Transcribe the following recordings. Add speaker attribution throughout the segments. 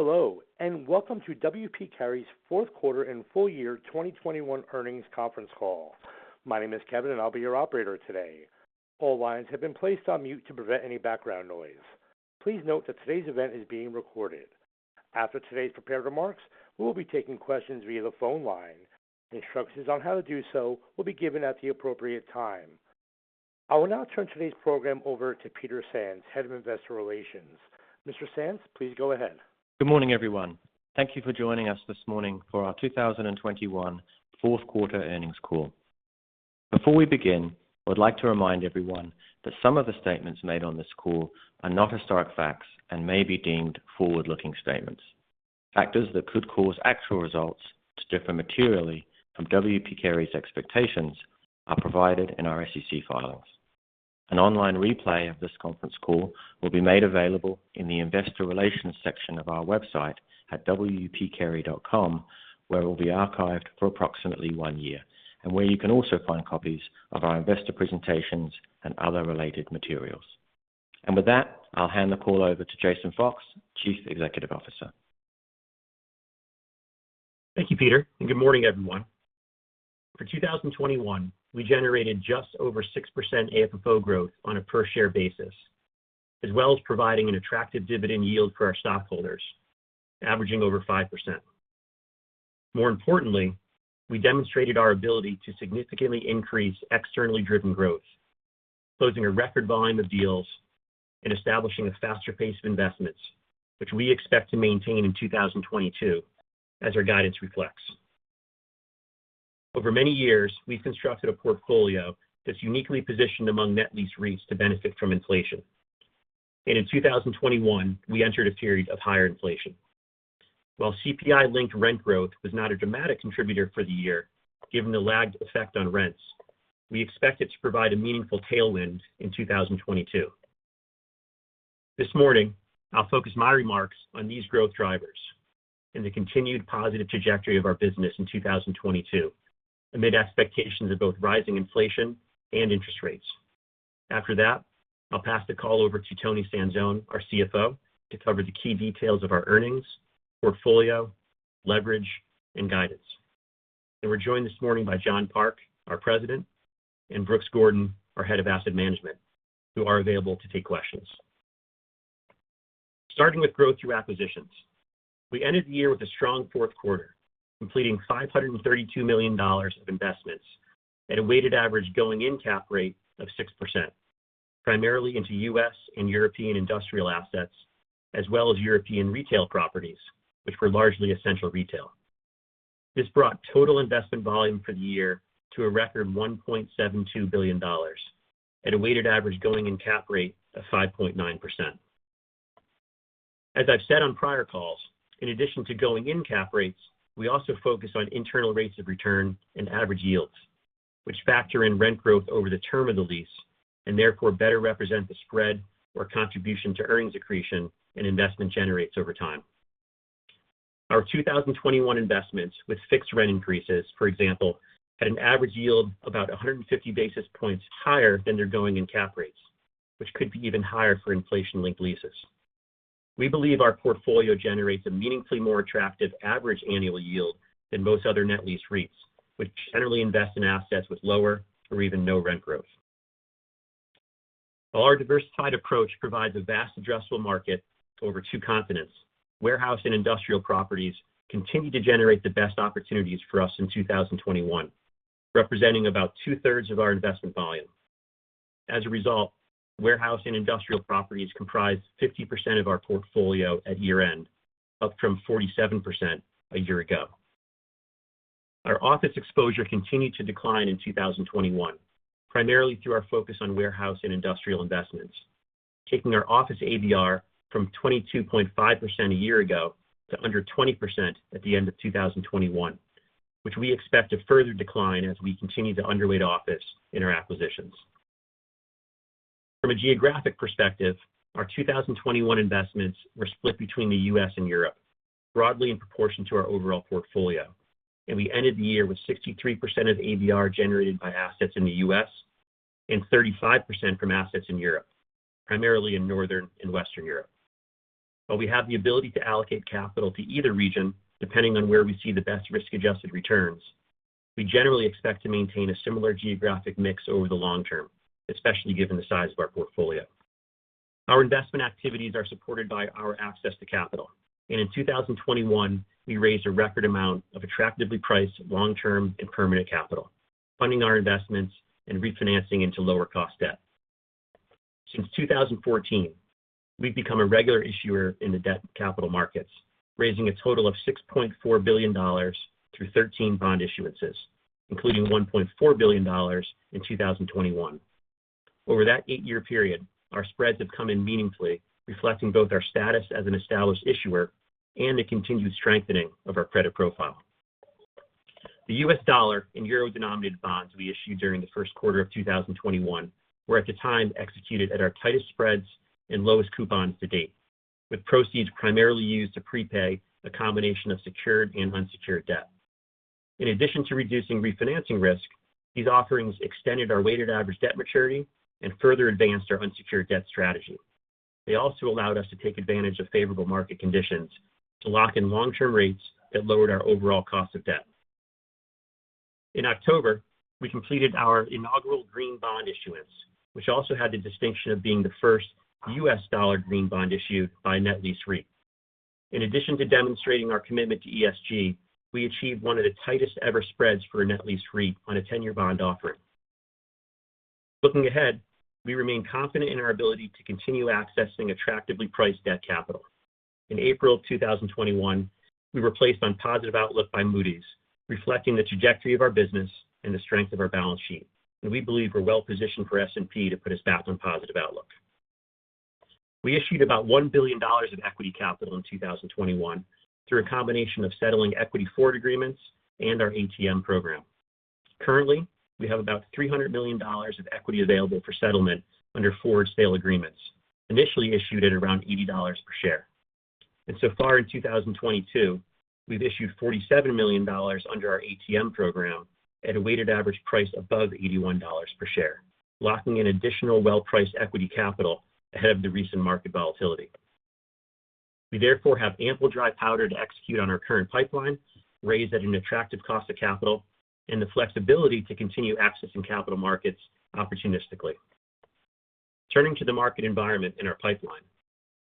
Speaker 1: Hello, and welcome to W. P. Carey's fourth quarter and full year 2021 earnings conference call. My name is Kevin, and I'll be your operator today. All lines have been placed on mute to prevent any background noise. Please note that today's event is being recorded. After today's prepared remarks, we will be taking questions via the phone line. Instructions on how to do so will be given at the appropriate time. I will now turn today's program over to Peter Sands, Head of Investor Relations. Mr. Sands, please go ahead.
Speaker 2: Good morning, everyone. Thank you for joining us this morning for our 2021 fourth quarter earnings call. Before we begin, I would like to remind everyone that some of the statements made on this call are not historic facts and may be deemed forward-looking statements. Factors that could cause actual results to differ materially from W. P. Carey's expectations are provided in our SEC filings. An online replay of this conference call will be made available in the Investor Relations section of our website at wpcarey.com, where it will be archived for approximately one year, and where you can also find copies of our investor presentations and other related materials. With that, I'll hand the call over to Jason Fox, Chief Executive Officer.
Speaker 3: Thank you, Peter, and good morning, everyone. For 2021, we generated just over 6% AFFO growth on a per share basis, as well as providing an attractive dividend yield for our stockholders, averaging over 5%. More importantly, we demonstrated our ability to significantly increase externally driven growth, closing a record volume of deals and establishing a faster pace of investments, which we expect to maintain in 2022 as our guidance reflects. Over many years, we've constructed a portfolio that's uniquely positioned among net lease REITs to benefit from inflation. In 2021, we entered a period of higher inflation. While CPI-linked rent growth was not a dramatic contributor for the year, given the lagged effect on rents, we expect it to provide a meaningful tailwind in 2022. This morning, I'll focus my remarks on these growth drivers and the continued positive trajectory of our business in 2022 amid expectations of both rising inflation and interest rates. After that, I'll pass the call over to Toni Sanzone, our CFO, to cover the key details of our earnings, portfolio, leverage, and guidance. We're joined this morning by John Park, our President, and Brooks Gordon, our Head of Asset Management, who are available to take questions. Starting with growth through acquisitions. We ended the year with a strong fourth quarter, completing $532 million of investments at a weighted average going-in cap rate of 6%, primarily into U.S. and European industrial assets, as well as European retail properties, which were largely essential retail. This brought total investment volume for the year to a record $1.72 billion at a weighted average going-in cap rate of 5.9%. As I've said on prior calls, in addition to going-in cap rates, we also focus on internal rates of return and average yields, which factor in rent growth over the term of the lease and therefore better represent the spread or contribution to earnings accretion an investment generates over time. Our 2021 investments with fixed rent increases, for example, had an average yield about 150 basis points higher than their going-in cap rates, which could be even higher for inflation-linked leases. We believe our portfolio generates a meaningfully more attractive average annual yield than most other net lease REITs, which generally invest in assets with lower or even no rent growth. While our diversified approach provides a vast addressable market over two continents, warehouse and industrial properties continued to generate the best opportunities for us in 2021, representing about two-thirds of our investment volume. As a result, warehouse and industrial properties comprised 50% of our portfolio at year-end, up from 47% a year ago. Our office exposure continued to decline in 2021, primarily through our focus on warehouse and industrial investments, taking our office AVR from 22.5% a year ago to under 20% at the end of 2021, which we expect to further decline as we continue to under-weight office in our acquisitions. From a geographic perspective, our 2021 investments were split between the U.S. and Europe, broadly in proportion to our overall portfolio. We ended the year with 63% of AVR generated by assets in the U.S. and 35% from assets in Europe, primarily in Northern and Western Europe. While we have the ability to allocate capital to either region, depending on where we see the best risk-adjusted returns, we generally expect to maintain a similar geographic mix over the long term, especially given the size of our portfolio. Our investment activities are supported by our access to capital. In 2021, we raised a record amount of attractively priced long-term and permanent capital, funding our investments and refinancing into lower cost debt. Since 2014, we've become a regular issuer in the debt capital markets, raising a total of $6.4 billion through 13 bond issuances, including $1.4 billion in 2021. Over that eight-year period, our spreads have come in meaningfully, reflecting both our status as an established issuer and the continued strengthening of our credit profile. The U.S. dollar and euro-denominated bonds we issued during the first quarter of 2021 were at the time executed at our tightest spreads and lowest coupons to date, with proceeds primarily used to prepay a combination of secured and unsecured debt. In addition to reducing refinancing risk, these offerings extended our weighted average debt maturity and further advanced our unsecured debt strategy. They also allowed us to take advantage of favorable market conditions to lock in long-term rates that lowered our overall cost of debt. In October, we completed our inaugural green bond issuance, which also had the distinction of being the first U.S. dollar green bond issued by a net lease REIT. In addition to demonstrating our commitment to ESG, we achieved one of the tightest ever spreads for a net lease REIT on a 10-year bond offering. Looking ahead, we remain confident in our ability to continue accessing attractively priced debt capital. In April of 2021, we were placed on positive outlook by Moody's, reflecting the trajectory of our business and the strength of our balance sheet, and we believe we're well positioned for S&P to put us back on positive outlook. We issued about $1 billion of equity capital in 2021 through a combination of settling equity forward agreement and our ATM program. Currently, we have about $300 million of equity available for settlement under forward sale agreements, initially issued at around $80 per share. So far in 2022, we've issued $47 million under our ATM program at a weighted average price above $81 per share, locking in additional well-priced equity capital ahead of the recent market volatility. We therefore have ample dry powder to execute on our current pipeline, raise at an attractive cost of capital, and the flexibility to continue accessing capital markets opportunistically. Turning to the market environment in our pipeline.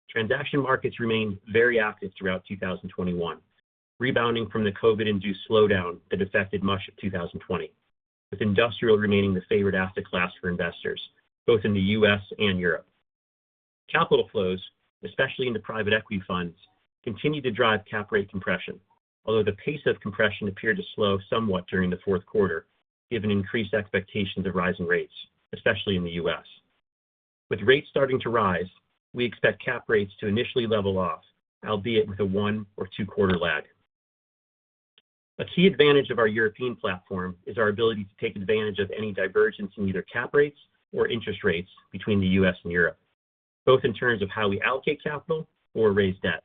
Speaker 3: Transaction markets remained very active throughout 2021, rebounding from the COVID-induced slowdown that affected much of 2020, with industrial remaining the favored asset class for investors, both in the U.S. and Europe. Capital flows, especially into private equity funds, continue to drive cap rate compression, although the pace of compression appeared to slow somewhat during the fourth quarter given increased expectations of rising rates, especially in the U.S. With rates starting to rise, we expect cap rates to initially level off, albeit with a one or two-quarter lag. A key advantage of our European platform is our ability to take advantage of any divergence in either cap rates or interest rates between the U.S. and Europe, both in terms of how we allocate capital or raise debt,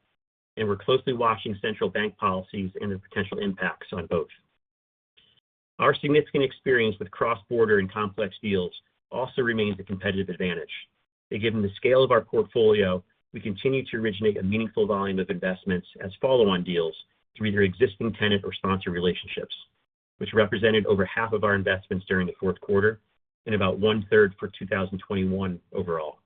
Speaker 3: and we're closely watching central bank policies and the potential impacts on both. Our significant experience with cross-border and complex deals also remains a competitive advantage, and given the scale of our portfolio, we continue to originate a meaningful volume of investments as follow-on deals through either existing tenant or sponsor relationships, which represented over half of our investments during the fourth quarter and about a third for 2021 overall.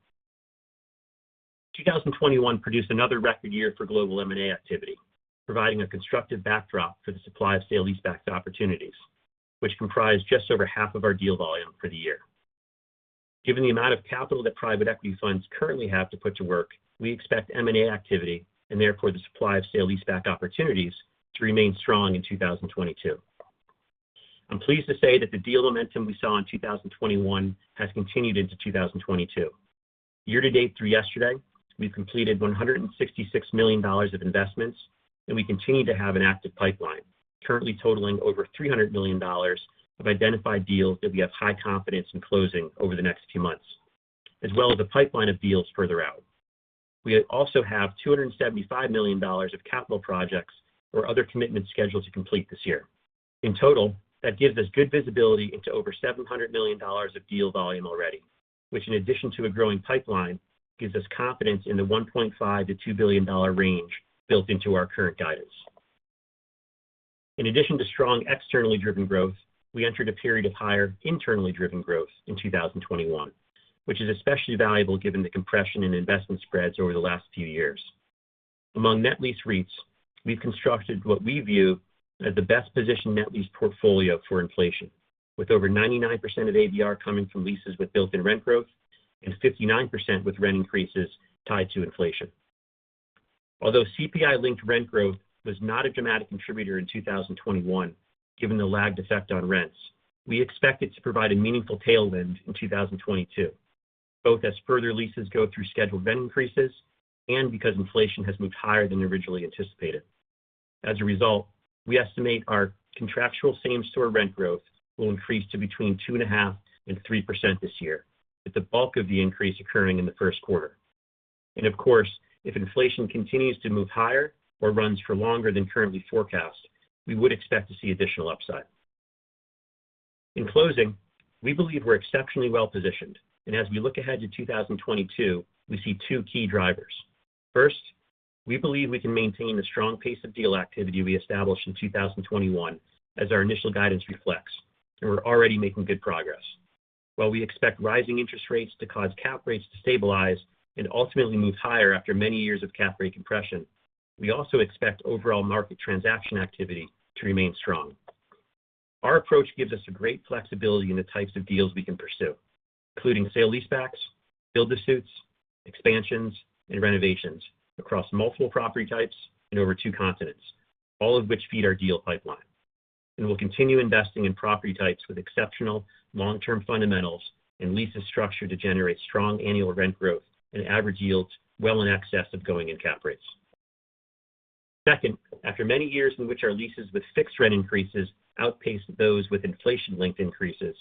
Speaker 3: 2021 produced another record year for global M&A activity, providing a constructive backdrop for the supply of sale leaseback opportunities, which comprise just over half of our deal volume for the year. Given the amount of capital that private equity funds currently have to put to work, we expect M&A activity, and therefore the supply of sale leaseback opportunities, to remain strong in 2022. I'm pleased to say that the deal momentum we saw in 2021 has continued into 2022. Year to date through yesterday, we've completed $166 million of investments, and we continue to have an active pipeline currently totaling over $300 million of identified deals that we have high confidence in closing over the next few months, as well as a pipeline of deals further out. We also have $275 million of capital projects or other commitments scheduled to complete this year. In total, that gives us good visibility into over $700 million of deal volume already, which in addition to a growing pipeline, gives us confidence in the $1.5 billion-$2 billion range built into our current guidance. In addition to strong externally driven growth, we entered a period of higher internally driven growth in 2021, which is especially valuable given the compression in investment spreads over the last few years. Among net lease REITs, we've constructed what we view as the best positioned net lease portfolio for inflation, with over 99% of ABR coming from leases with built-in rent growth and 59% with rent increases tied to inflation. Although CPI-linked rent growth was not a dramatic contributor in 2021, given the lagged effect on rents, we expect it to provide a meaningful tailwind in 2022, both as further leases go through scheduled rent increases and because inflation has moved higher than originally anticipated. As a result, we estimate our contractual same store rent growth will increase to between 2.5% and 3% this year, with the bulk of the increase occurring in the first quarter. Of course, if inflation continues to move higher or runs for longer than currently forecast, we would expect to see additional upside. In closing, we believe we're exceptionally well positioned, and as we look ahead to 2022, we see two key drivers. First, we believe we can maintain the strong pace of deal activity we established in 2021 as our initial guidance reflects, and we're already making good progress. While we expect rising interest rates to cause cap rates to stabilize and ultimately move higher after many years of cap rate compression, we also expect overall market transaction activity to remain strong. Our approach gives us a great flexibility in the types of deals we can pursue, including sale leasebacks, build-to-suit, expansions, and renovations across multiple property types and over two continents, all of which feed our deal pipeline. We'll continue investing in property types with exceptional long-term fundamentals and leases structured to generate strong annual rent growth and average yields well in excess of going-in cap rates. Second, after many years in which our leases with fixed rent increases outpaced those with inflation-linked increases,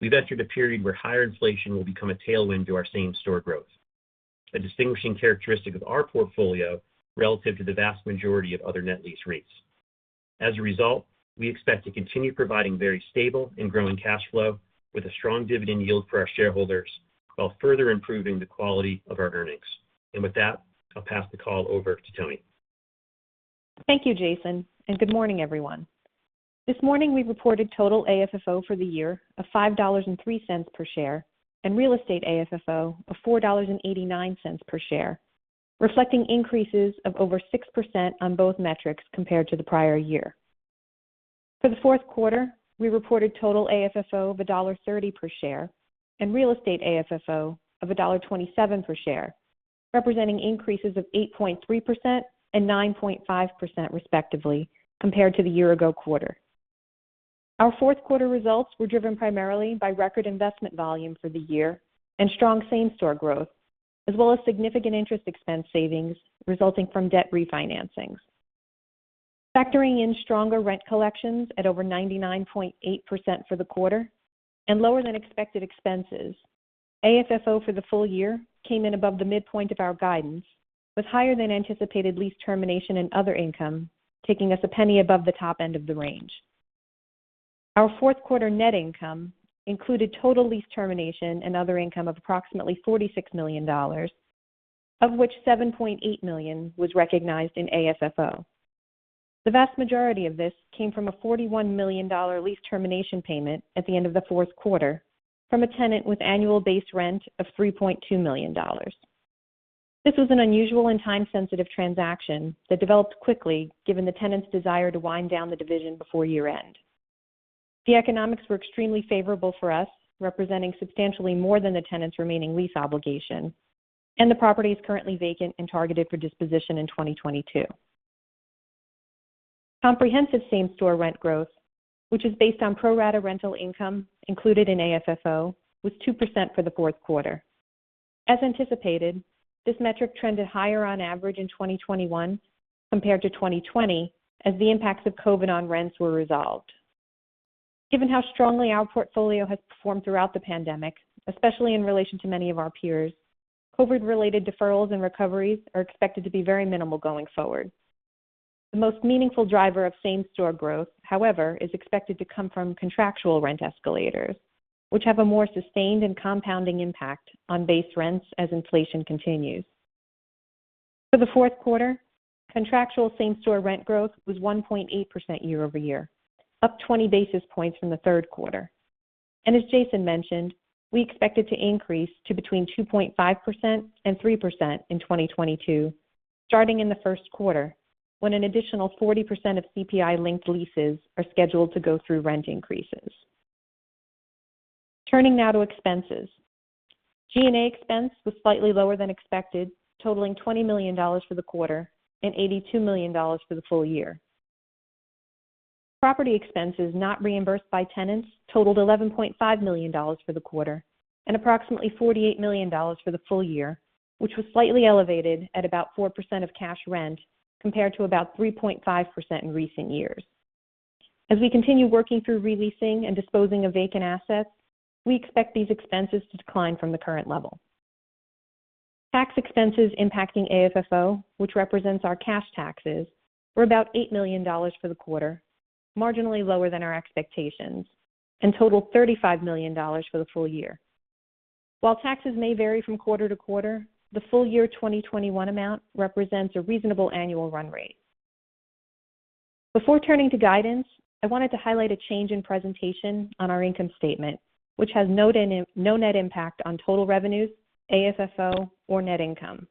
Speaker 3: we've entered a period where higher inflation will become a tailwind to our same-store growth, a distinguishing characteristic of our portfolio relative to the vast majority of other net lease REITs. As a result, we expect to continue providing very stable and growing cash flow with a strong dividend yield for our shareholders while further improving the quality of our earnings. With that, I'll pass the call over to Toni.
Speaker 4: Thank you, Jason, and good morning, everyone. This morning, we reported total AFFO for the year of $5.03 per share and real estate AFFO of $4.89 per share, reflecting increases of over 6% on both metrics compared to the prior year. For the fourth quarter, we reported total AFFO of $1.30 per share and real estate AFFO of $1.27 per share, representing increases of 8.3% and 9.5% respectively, compared to the year ago quarter. Our fourth quarter results were driven primarily by record investment volume for the year and strong same-store growth, as well as significant interest expense savings resulting from debt refinancings. Factoring in stronger rent collections at over 99.8% for the quarter and lower than expected expenses, AFFO for the full year came in above the midpoint of our guidance, with higher than anticipated lease termination and other income taking us $0.01 above the top end of the range. Our fourth quarter net income included total lease termination and other income of approximately $46 million, of which $7.8 million was recognized in AFFO. The vast majority of this came from a $41 million lease termination payment at the end of the fourth quarter from a tenant with annual base rent of $3.2 million. This was an unusual and time-sensitive transaction that developed quickly given the tenant's desire to wind down the division before year-end. The economics were extremely favorable for us, representing substantially more than the tenant's remaining lease obligation, and the property is currently vacant and targeted for disposition in 2022. Comprehensive same-store rent growth, which is based on pro rata rental income included in AFFO, was 2% for the fourth quarter. As anticipated, this metric trended higher on average in 2021 compared to 2020 as the impacts of COVID on rents were resolved. Given how strongly our portfolio has performed throughout the pandemic, especially in relation to many of our peers, COVID-related deferrals and recoveries are expected to be very minimal going forward. The most meaningful driver of same-store growth, however, is expected to come from contractual rent escalators, which have a more sustained and compounding impact on base rents as inflation continues. For the fourth quarter, contractual same-store rent growth was 1.8% year-over-year, up 20 basis points from the third quarter. As Jason mentioned, we expect it to increase to between 2.5% and 3% in 2022, starting in the first quarter when an additional 40% of CPI-linked leases are scheduled to go through rent increases. Turning now to expenses. G&A expense was slightly lower than expected, totaling $20 million for the quarter and $82 million for the full year. Property expenses not reimbursed by tenants totaled $11.5 million for the quarter and approximately $48 million for the full year, which was slightly elevated at about 4% of cash rent compared to about 3.5% in recent years. As we continue working through re-leasing and disposing of vacant assets, we expect these expenses to decline from the current level. Tax expenses impacting AFFO, which represents our cash taxes, were about $8 million for the quarter, marginally lower than our expectations, and totaled $35 million for the full year. While taxes may vary from quarter to quarter, the full year 2021 amount represents a reasonable annual run rate. Before turning to guidance, I wanted to highlight a change in presentation on our income statement, which has no net impact on total revenues, AFFO or net income.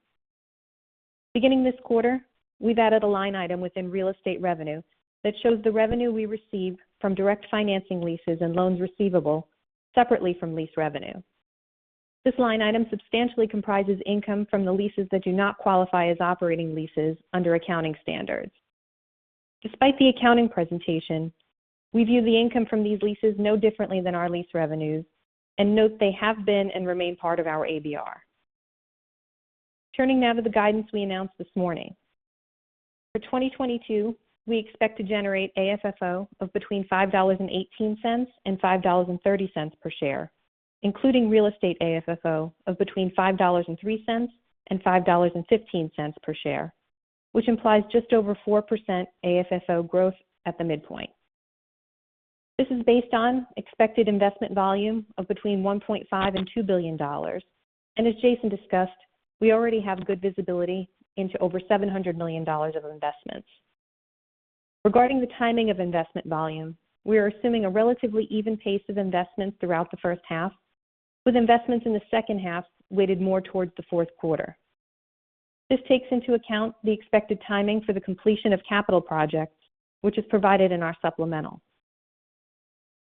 Speaker 4: Beginning this quarter, we've added a line item within real estate revenue that shows the revenue we receive from direct financing lease and loans receivable separately from lease revenue. This line item substantially comprises income from the leases that do not qualify as operating leases under accounting standards. Despite the accounting presentation, we view the income from these leases no differently than our lease revenues and note they have been and remain part of our ABR. Turning now to the guidance we announced this morning. For 2022, we expect to generate AFFO of between $5.18 and $5.30 per share, including real estate AFFO of between $5.03 and $5.15 per share, which implies just over 4% AFFO growth at the midpoint. This is based on expected investment volume of between $1.5 billion and $2 billion. As Jason discussed, we already have good visibility into over $700 million of investments. Regarding the timing of investment volume, we are assuming a relatively even pace of investments throughout the first half, with investments in the second half weighted more towards the fourth quarter. This takes into account the expected timing for the completion of capital projects, which is provided in our supplemental.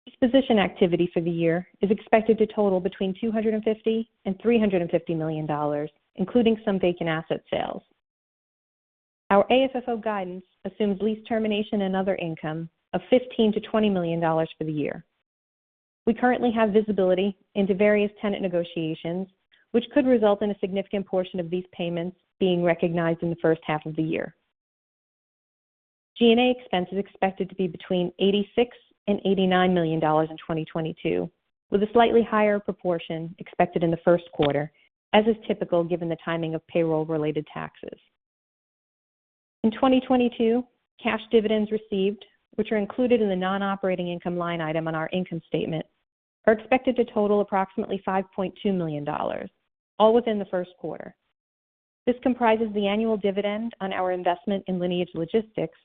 Speaker 4: Disposition activity for the year is expected to total between $250 million and $350 million, including some vacant asset sales. Our AFFO guidance assumes lease termination and other income of $15 million-$20 million for the year. We currently have visibility into various tenant negotiations, which could result in a significant portion of these payments being recognized in the first half of the year. G&A expense is expected to be between $86 million-$89 million in 2022, with a slightly higher proportion expected in the first quarter, as is typical given the timing of payroll related taxes. In 2022, cash dividends received, which are included in the non-operating income line item on our income statement, are expected to total approximately $5.2 million, all within the first quarter. This comprises the annual dividend on our investment in Lineage Logistics,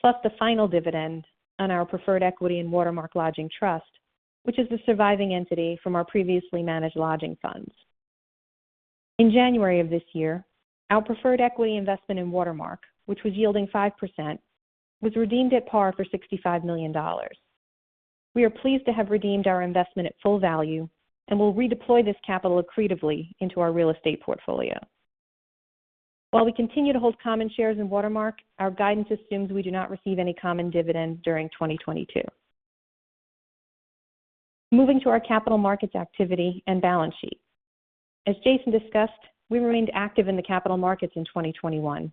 Speaker 4: plus the final dividend on our preferred equity in Watermark Lodging Trust, which is the surviving entity from our previously managed lodging funds. In January of this year, our preferred equity investment in Watermark, which was yielding 5%, was redeemed at par for $65 million. We are pleased to have redeemed our investment at full value, and we'll redeploy this capital accretively into our real estate portfolio. While we continue to hold common shares in Watermark, our guidance assumes we do not receive any common dividends during 2022. Moving to our capital markets activity and balance sheet. As Jason discussed, we remained active in the capital markets in 2021,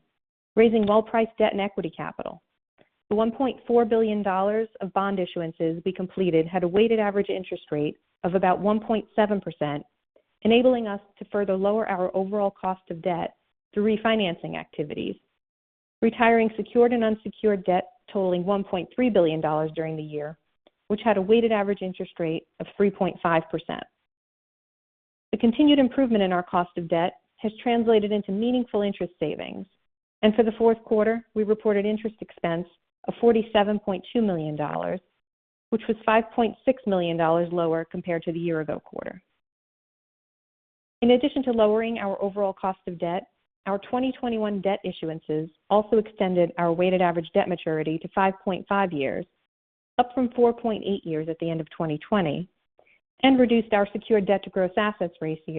Speaker 4: raising well-priced debt and equity capital. The $1.4 billion of bond issuances we completed had a weighted average interest rate of about 1.7%, enabling us to further lower our overall cost of debt through refinancing activities, retiring secured and unsecured debt totaling $1.3 billion during the year, which had a weighted average interest rate of 3.5%. The continued improvement in our cost of debt has translated into meaningful interest savings. For the fourth quarter, we reported interest expense of $47.2 million, which was $5.6 million lower compared to the year ago quarter. In addition to lowering our overall cost of debt, our 2021 debt issuances also extended our weighted average debt maturity to 5.5 years, up from 4.8 years at the end of 2020, and reduced our secured debt to gross assets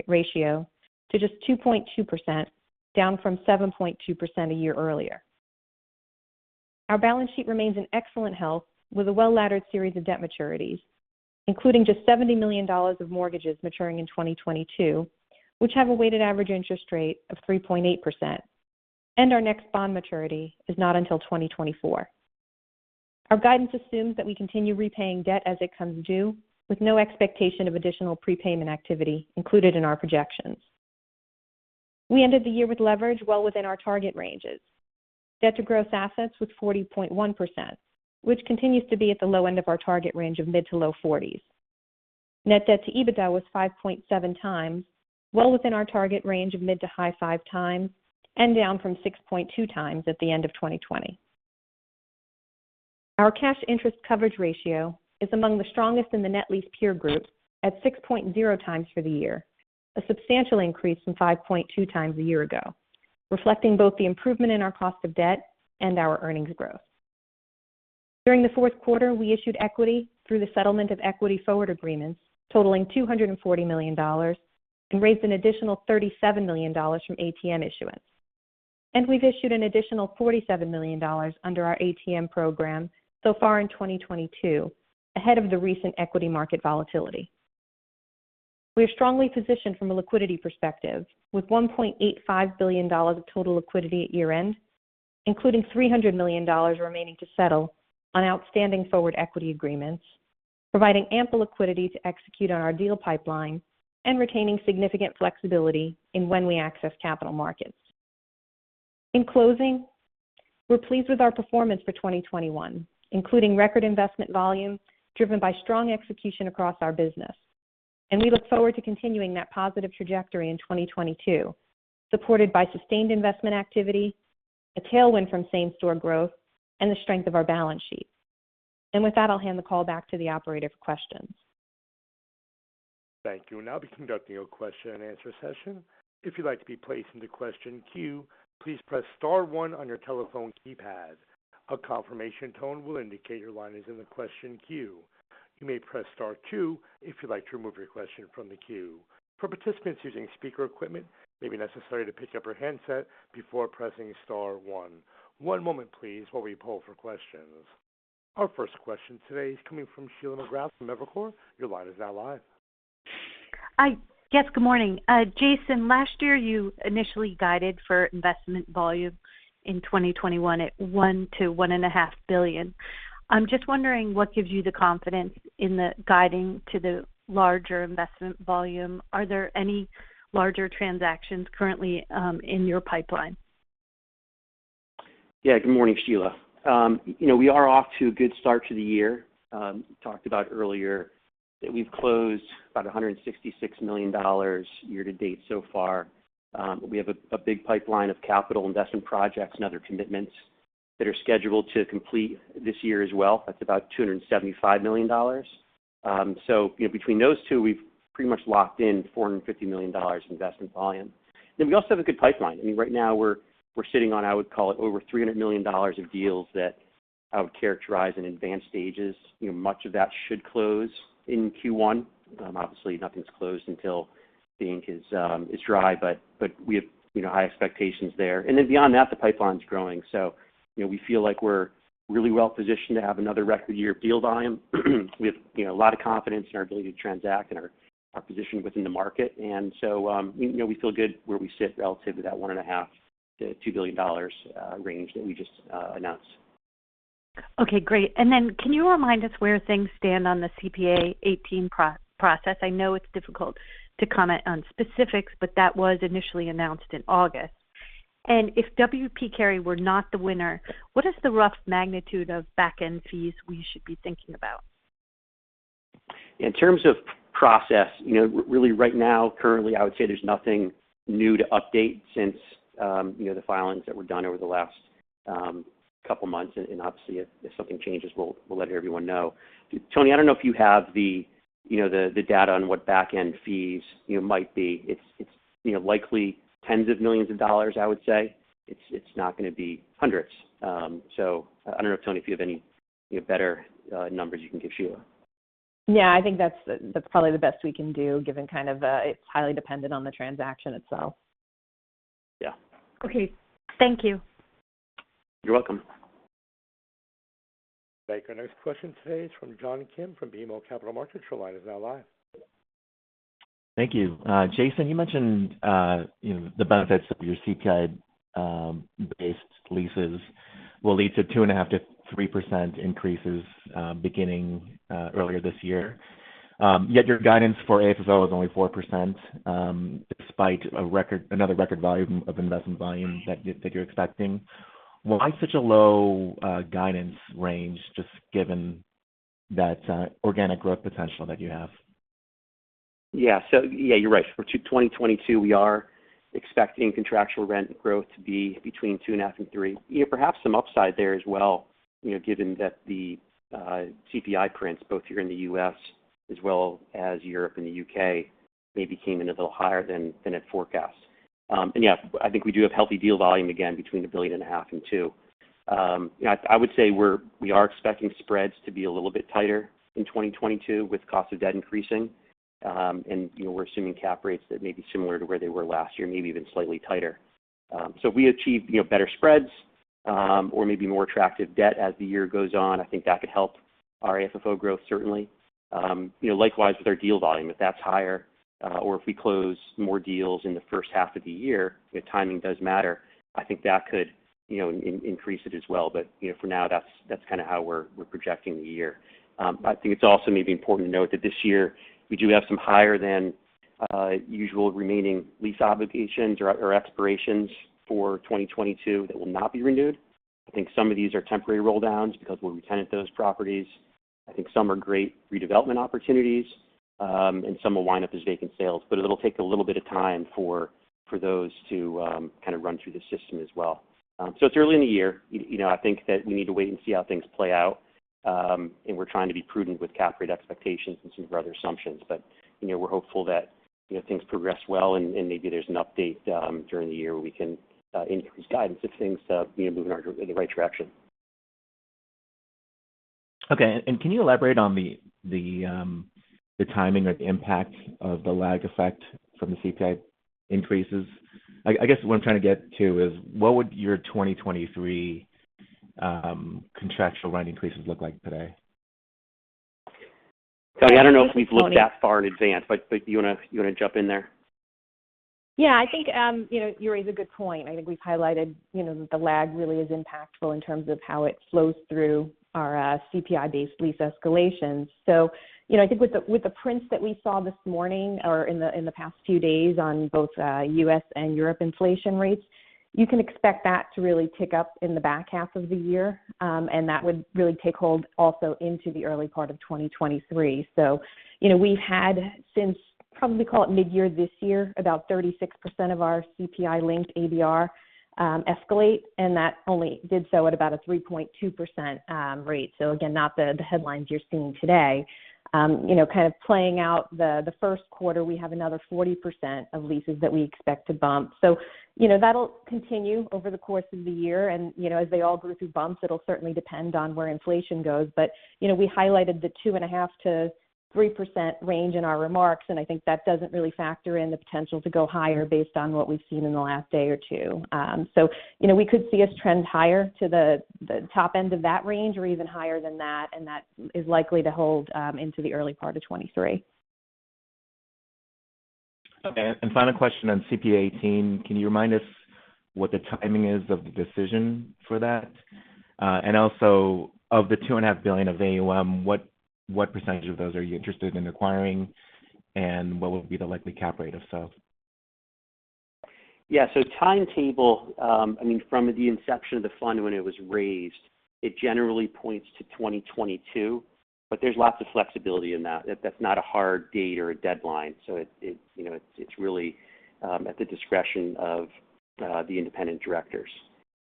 Speaker 4: ratio to just 2.2%, down from 7.2% a year earlier. Our balance sheet remains in excellent health with a well-laddered series of debt maturities, including just $70 million of mortgages maturing in 2022, which have a weighted average interest rate of 3.8%. Our next bond maturity is not until 2024. Our guidance assumes that we continue repaying debt as it comes due, with no expectation of additional prepayment activity included in our projections. We ended the year with leverage well within our target ranges. Debt to gross assets was 40.1%, which continues to be at the low end of our target range of mid- to low-40%s. Net debt to EBITDA was 5.7x, well within our target range of mid- to high-5x, and down from 6.2x at the end of 2020. Our cash interest coverage ratio is among the strongest in the net lease peer group at 6.0x for the year, a substantial increase from 5.2x a year ago, reflecting both the improvement in our cost of debt and our earnings growth. During the fourth quarter, we issued equity through the settlement of equity forward agreement totaling $240 million and raised an additional $37 million from ATM issuance. We've issued an additional $47 million under our ATM program so far in 2022, ahead of the recent equity market volatility. We are strongly positioned from a liquidity perspective with $1.85 billion of total liquidity at year-end, including $300 million remaining to settle on outstanding forward equity agreements, providing ample liquidity to execute on our deal pipeline and retaining significant flexibility in when we access capital markets. In closing, we're pleased with our performance for 2021, including record investment volume driven by strong execution across our business. We look forward to continuing that positive trajectory in 2022, supported by sustained investment activity, a tailwind from same-store growth, and the strength of our balance sheet. With that, I'll hand the call back to the operator for questions.
Speaker 1: Thank you. We'll now be conducting a question and answer session. If you'd like to be placed in the question queue, please press star one on your telephone keypad. A confirmation tone will indicate your line is in the question queue. You may press star two if you'd like to remove your question from the queue. For participants using speaker equipment, it may be necessary to pick up your handset before pressing star one. One moment, please, while we poll for questions. Our first question today is coming from Sheila McGrath from Evercore. Your line is now live.
Speaker 5: Yes, good morning. Jason, last year you initially guided for investment volume in 2021 at $1 billion-$1.5 billion. I'm just wondering what gives you the confidence in the guiding to the larger investment volume. Are there any larger transactions currently in your pipeline?
Speaker 3: Yeah. Good morning, Sheila. You know, we are off to a good start to the year. We talked about earlier that we've closed about $166 million year to date so far. We have a big pipeline of capital investment projects and other commitments that are scheduled to complete this year as well. That's about $275 million. So, you know, between those two, we've pretty much locked in $450 million investment volume. We also have a good pipeline. I mean, right now we're sitting on, I would call it, over $300 million of deals that I would characterize in advanced stages. You know, much of that should close in Q1. Obviously nothing's closed until the ink is dry, but we have, you know, high expectations there. Beyond that, the pipeline's growing. You know, we feel like we're really well positioned to have another record year deal volume. We have, you know, a lot of confidence in our ability to transact and our position within the market. You know, we feel good where we sit relative to that $1.5 billion-$2 billion range that we just announced.
Speaker 5: Okay, great. Can you remind us where things stand on the CPA:18 process? I know it's difficult to comment on specifics, but that was initially announced in August. If W. P. Carey were not the winner, what is the rough magnitude of back-end fees we should be thinking about?
Speaker 3: In terms of process, you know, really right now, currently, I would say there's nothing new to update since you know, the filings that were done over the last couple months. Obviously if something changes, we'll let everyone know. Toni, I don't know if you have the you know, the data on what back-end fees you know, might be. It's you know, likely tens of millions of dollars, I would say. It's not gonna be hundreds. I don't know, Toni, if you have any you know, better numbers you can give Sheila.
Speaker 4: Yeah. I think that's probably the best we can do given kind of, it's highly dependent on the transaction itself.
Speaker 3: Yeah.
Speaker 5: Okay. Thank you.
Speaker 3: You're welcome.
Speaker 1: Thank you. Our next question today is from John Kim from BMO Capital Markets. Your line is now live.
Speaker 6: Thank you. Jason, you mentioned, you know, the benefits of your CPI-based leases will lead to 2.5%-3% increases beginning earlier this year. Yet your guidance for AFFO is only 4%, despite another record volume of investment that you're expecting. Why such a low guidance range just given that organic growth potential that you have?
Speaker 3: Yeah, you're right. For 2022, we are expecting contractual rent growth to be between 2.5% and 3%. You know, perhaps some upside there as well, you know, given that the CPI prints both here in the U.S. as well as Europe and the U.K., maybe came in a little higher than it forecast. I think we do have healthy deal volume, again, between $1.5 billion and $2 billion. You know, I would say we are expecting spreads to be a little bit tighter in 2022 with cost of debt increasing. You know, we're assuming cap rates that may be similar to where they were last year, maybe even slightly tighter. If we achieve, you know, better spreads, or maybe more attractive debt as the year goes on, I think that could help our AFFO growth certainly. You know, likewise with our deal volume. If that's higher, or if we close more deals in the first half of the year, you know, timing does matter, I think that could, you know, increase it as well. You know, for now, that's kinda how we're projecting the year. I think it's also maybe important to note that this year we do have some higher than usual remaining lease obligations or expirations for 2022 that will not be renewed. I think some of these are temporary roll downs because we'll re-tenant those properties. I think some are great redevelopment opportunities, and some will wind up as vacant sales, but it'll take a little bit of time for those to kind of run through the system as well. It's early in the year. You know, I think that we need to wait and see how things play out, and we're trying to be prudent with cap rate expectations and some of our other assumptions. You know, we're hopeful that things progress well and maybe there's an update during the year where we can increase guidance if things you know, move in the right direction.
Speaker 6: Okay. Can you elaborate on the timing or the impact of the lag effect from the CPI increases? I guess what I'm trying to get to is what would your 2023 contractual rent increases look like today?
Speaker 3: Toni, I don't know if we've looked that far in advance, but do you wanna jump in there?
Speaker 4: Yeah. I think, you know, you raise a good point. I think we've highlighted, you know, that the lag really is impactful in terms of how it flows through our, CPI-based lease escalations. You know, I think with the prints that we saw this morning or in the past few days on both, U.S. and Europe inflation rates, you can expect that to really tick up in the back half of the year. That would really take hold also into the early part of 2023. You know, we've had since probably call it mid-year this year, about 36% of our CPI linked ABR escalate, and that only did so at about a 3.2% rate. Again, not the headlines you're seeing today. You know, kind of playing out the first quarter, we have another 40% of leases that we expect to bump. You know, that'll continue over the course of the year. You know, as they all go through bumps, it'll certainly depend on where inflation goes. You know, we highlighted the 2.5%-3% range in our remarks, and I think that doesn't really factor in the potential to go higher based on what we've seen in the last day or two. You know, we could see us trend higher to the top end of that range or even higher than that, and that is likely to hold into the early part of 2023.
Speaker 6: Okay. Final question on CPA:18. Can you remind us what the timing is of the decision for that? And also of the $2.5 billion of AUM, what percentage of those are you interested in acquiring, and what would be the likely cap rate if so?
Speaker 3: Yeah. Timetable, I mean, from the inception of the fund when it was raised, it generally points to 2022, but there's lots of flexibility in that. That's not a hard date or a deadline. It you know, it's really at the discretion of the independent directors.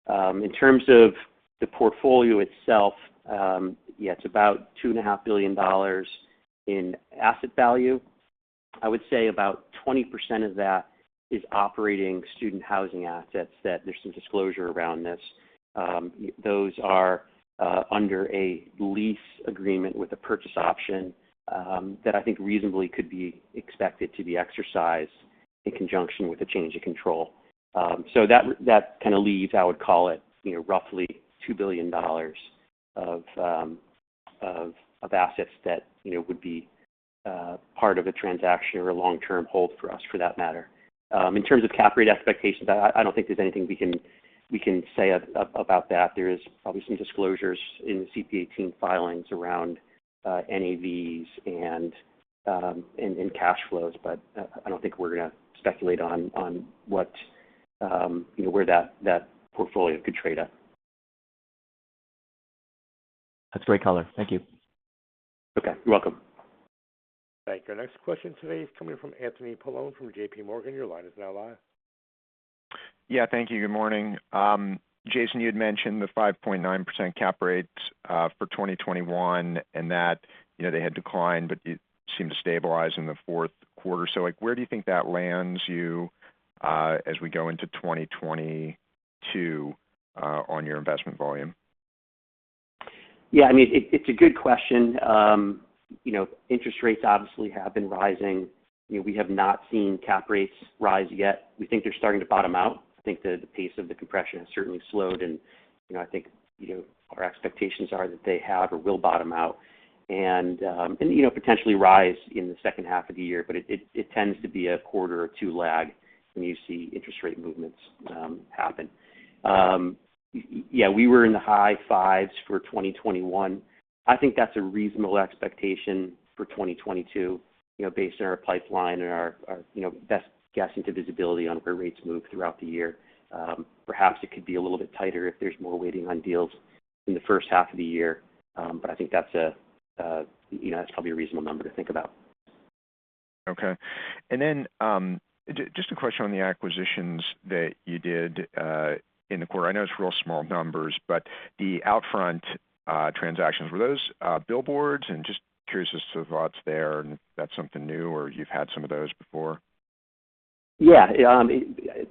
Speaker 3: In terms of the portfolio itself, yeah, it's about $2.5 billion in asset value. I would say about 20% of that is operating student housing assets that there's some disclosure around this. Those are under a lease agreement with a purchase option that I think reasonably could be expected to be exercised in conjunction with a change of control That kinda leaves, I would call it, you know, roughly $2 billion of assets that, you know, would be part of a transaction or a long-term hold for us for that matter. In terms of cap rate expectations, I don't think there's anything we can say about that. There is obviously disclosures in the CPA:18 filings around NAVs and cash flows. I don't think we're gonna speculate on what, you know, where that portfolio could trade at.
Speaker 6: That's great color. Thank you.
Speaker 3: Okay, you're welcome.
Speaker 1: Thank you. Our next question today is coming from Anthony Paolone from JPMorgan. Your line is now live.
Speaker 7: Yeah, thank you. Good morning. Jason, you had mentioned the 5.9% cap rate for 2021 and that, you know, they had declined, but it seemed to stabilize in the fourth quarter. Like, where do you think that lands you as we go into 2022 on your investment volume?
Speaker 3: Yeah. I mean, it's a good question. You know, interest rates obviously have been rising. You know, we have not seen cap rates rise yet. We think they're starting to bottom out. I think the pace of the compression has certainly slowed. You know, I think our expectations are that they have or will bottom out and you know, potentially rise in the second half of the year. But it tends to be a quarter or two lag when you see interest rate movements happen. Yeah, we were in the high 5s for 2021. I think that's a reasonable expectation for 2022, you know, based on our pipeline and our best guess as to visibility on where rates move throughout the year. Perhaps it could be a little bit tighter if there's more waiting on deals in the first half of the year. I think that's a, you know, that's probably a reasonable number to think about.
Speaker 7: Okay. A question on the acquisitions that you did in the quarter. I know it's real small numbers, but the Outfront transactions, were those billboards? Just curious as to the thoughts there, and if that's something new or you've had some of those before.
Speaker 3: Yeah.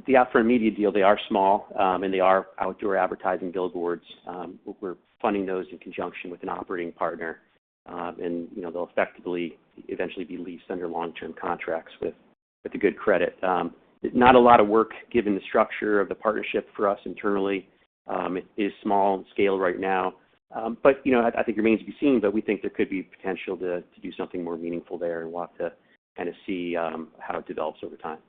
Speaker 3: The Outfront Media deal, they are small, and they are outdoor advertising billboards. We're funding those in conjunction with an operating partner. You know, they'll effectively eventually be leased under long-term contracts with a good credit. Not a lot of work, given the structure of the partnership for us internally. It is small in scale right now. You know, I think it remains to be seen, but we think there could be potential to do something more meaningful there and want to kind of see how it develops over time.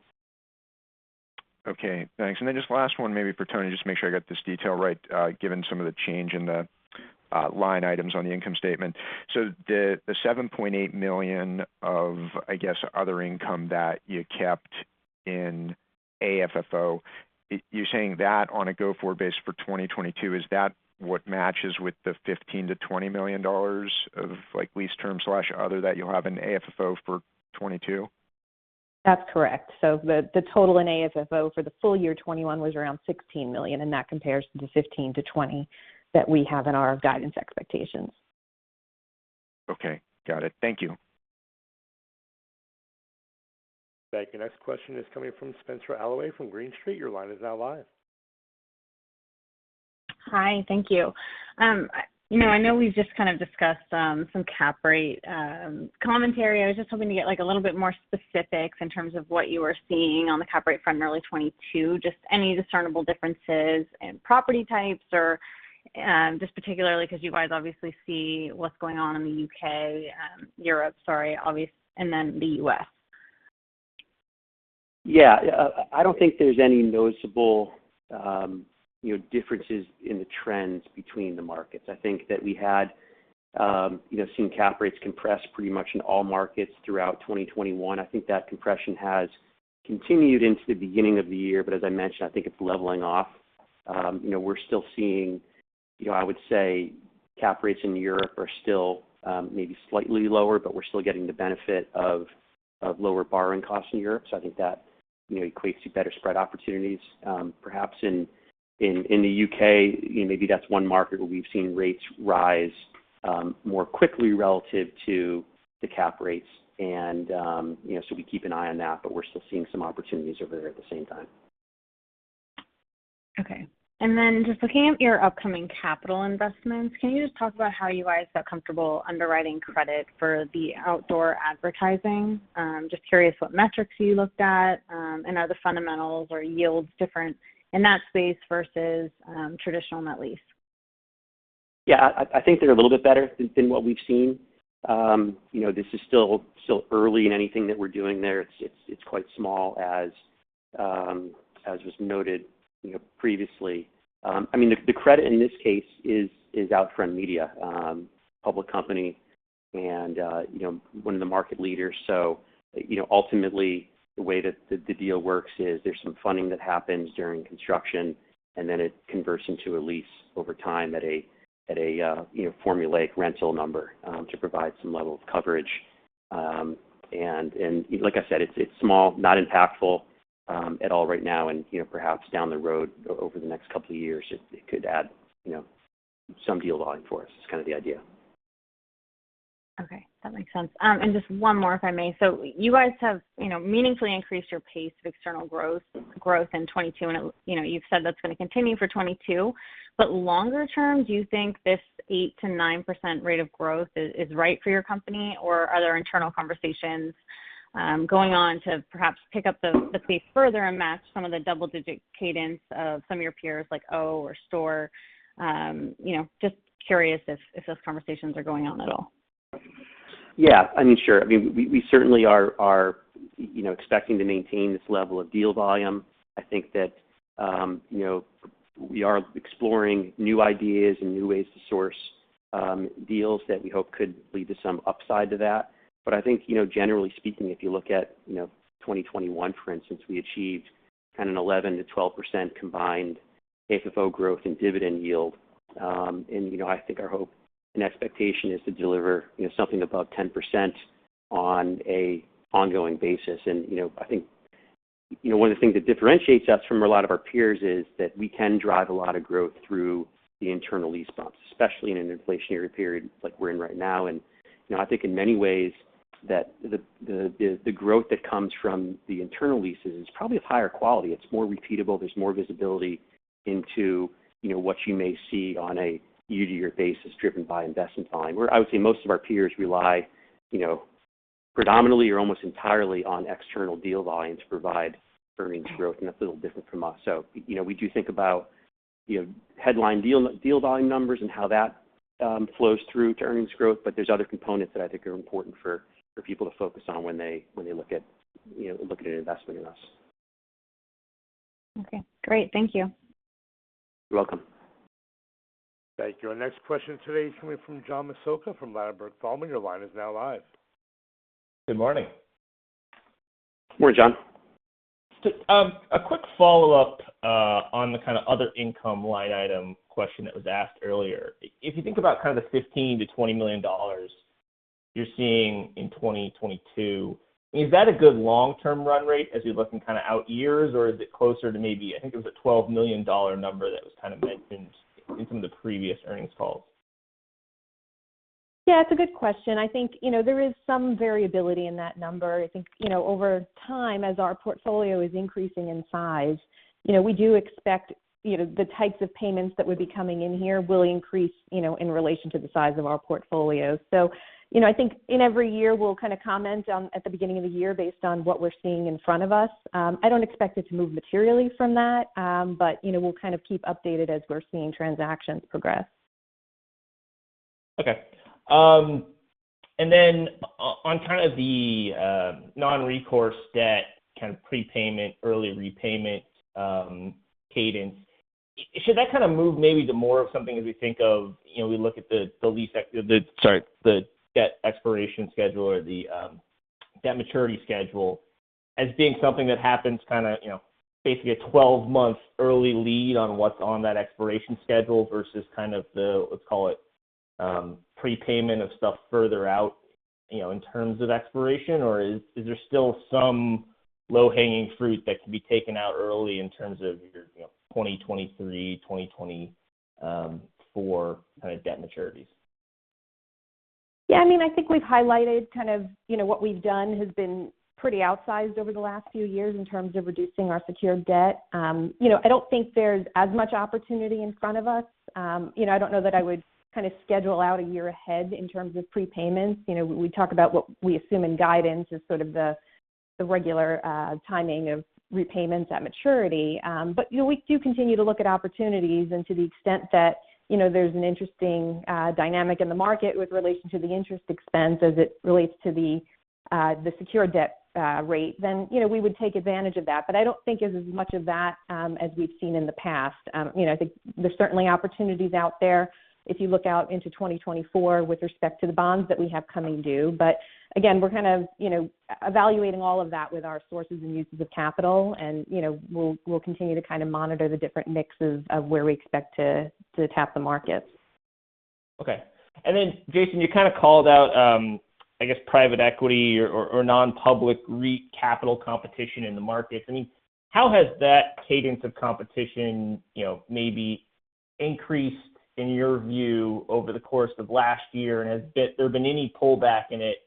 Speaker 7: Okay, thanks. Just last one maybe for Toni, just make sure I got this detail right, given some of the change in the line items on the income statement. So the $7.8 million of, I guess, other income that you kept in AFFO, you're saying that on a go-forward basis for 2022, is that what matches with the $15 million-$20 million of, like, lease terms/other that you'll have in AFFO for 2022?
Speaker 4: That's correct. The total in AFFO for the full year 2021 was around $16 million, and that compares to the $15 million-$20 million that we have in our guidance expectations.
Speaker 7: Okay. Got it. Thank you.
Speaker 1: Thank you. Next question is coming from Spenser Allaway from Green Street. Your line is now live.
Speaker 8: Hi. Thank you. You know, I know we've just kind of discussed some cap rate commentary. I was just hoping to get, like, a little bit more specifics in terms of what you are seeing on the cap rate front in early 2022. Just any discernible differences in property types or just particularly because you guys obviously see what's going on in the U.K., Europe, and then the U.S.
Speaker 3: Yeah. I don't think there's any noticeable, you know, differences in the trends between the markets. I think that we had, you know, seen cap rates compress pretty much in all markets throughout 2021. I think that compression has continued into the beginning of the year, but as I mentioned, I think it's leveling off. You know, we're still seeing, you know, I would say cap rates in Europe are still maybe slightly lower, but we're still getting the benefit of lower borrowing costs in Europe. I think that, you know, equates to better spread opportunities. Perhaps in the U.K., you know, maybe that's one market where we've seen rates rise more quickly relative to the cap rates. You know, so we keep an eye on that, but we're still seeing some opportunities over there at the same time.
Speaker 8: Okay. Then just looking at your upcoming capital investments, can you just talk about how you guys felt comfortable underwriting credit for the outdoor advertising? Just curious what metrics you looked at. Are the fundamentals or yields different in that space versus traditional net lease?
Speaker 3: Yeah. I think they're a little bit better than what we've seen. You know, this is still early in anything that we're doing there. It's quite small as was noted, you know, previously. I mean, the credit in this case is Outfront Media, public company and you know, one of the market leaders. You know, ultimately, the way that the deal works is there's some funding that happens during construction, and then it converts into a lease over time at a you know, formulaic rental number to provide some level of coverage. Like I said, it's small, not impactful at all right now. You know, perhaps down the road over the next couple of years, it could add, you know, some deal volume for us is kind of the idea.
Speaker 8: Okay, that makes sense. Just one more, if I may. You guys have, you know, meaningfully increased your pace of external growth in 2021. You know, you've said that's gonna continue for 2022. Longer term, do you think this 8%-9% rate of growth is right for your company, or are there internal conversations going on to perhaps pick up the pace further and match some of the double-digit cadence of some of your peers like O or STORE. You know, just curious if those conversations are going on at all.
Speaker 3: Yeah. I mean, sure. I mean, we certainly are, you know, expecting to maintain this level of deal volume. I think that, you know, we are exploring new ideas and new ways to source deals that we hope could lead to some upside to that. I think, you know, generally speaking, if you look at, you know, 2021, for instance, we achieved kind of an 11%-12% combined FFO growth in dividend yield. I think our hope and expectation is to deliver, you know, something above 10% on an ongoing basis. I think, you know, one of the things that differentiates us from a lot of our peers is that we can drive a lot of growth through the internal lease bumps, especially in an inflationary period like we're in right now. You know, I think in many ways that the growth that comes from the internal leases is probably of higher quality. It's more repeatable. There's more visibility into, you know, what you may see on a year-to-year basis driven by investment timing, where I would say most of our peers rely, you know, predominantly or almost entirely on external deal volume to provide earnings growth, and that's a little different from us. You know, we do think about, you know, headline deal volume numbers and how that flows through to earnings growth, but there's other components that I think are important for people to focus on when they look at, you know, look at an investment in us.
Speaker 8: Okay. Great. Thank you.
Speaker 3: You're welcome.
Speaker 1: Thank you. Our next question today is coming from John Massocca from Ladenburg Thalmann. Your line is now live.
Speaker 9: Good morning.
Speaker 3: Good morning, John.
Speaker 9: Just, a quick follow-up on the kinda other income line item question that was asked earlier. If you think about kind of the $15 million-$20 million you're seeing in 2022, is that a good long-term run rate as you're looking kind of out years, or is it closer to maybe, I think it was a $12 million number that was kind of mentioned in some of the previous earnings calls?
Speaker 4: Yeah, it's a good question. I think, you know, there is some variability in that number. I think, you know, over time, as our portfolio is increasing in size, you know, we do expect, you know, the types of payments that would be coming in here will increase, you know, in relation to the size of our portfolio. You know, I think in every year, we'll kind of comment on at the beginning of the year based on what we're seeing in front of us. I don't expect it to move materially from that. You know, we'll kind of keep updated as we're seeing transactions progress.
Speaker 9: Okay. On kind of the non-recourse debt kind of prepayment, early repayment cadence, should that kind of move maybe to more of something as we think of, you know, we look at the debt expiration schedule or the debt maturity schedule as being something that happens kinda, you know, basically a 12-month early lead on what's on that expiration schedule versus kind of the, let's call it, prepayment of stuff further out, you know, in terms of expiration? Or is there still some low-hanging fruit that can be taken out early in terms of your, you know, 2023, 2024 kind of debt maturities?
Speaker 4: Yeah, I mean, I think we've highlighted kind of, you know, what we've done has been pretty outsized over the last few years in terms of reducing our secured debt. You know, I don't think there's as much opportunity in front of us. You know, I don't know that I would kind of schedule out a year ahead in terms of prepayments. You know, we talk about what we assume in guidance is sort of the regular timing of repayments at maturity. You know, we do continue to look at opportunities and to the extent that, you know, there's an interesting dynamic in the market with relation to the interest expense as it relates to the secured debt rate, then, you know, we would take advantage of that. I don't think there's as much of that as we've seen in the past. You know, I think there's certainly opportunities out there if you look out into 2024 with respect to the bonds that we have coming due. Again, we're kind of, you know, evaluating all of that with our sources and uses of capital and, you know, we'll continue to kind of monitor the different mixes of where we expect to tap the markets.
Speaker 9: Okay. Jason, you kind of called out, I guess private equity or non-public REIT capital competition in the markets. I mean, how has that cadence of competition, you know, maybe increased in your view over the course of last year? Has there been any pullback in it,